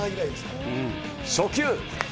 初球。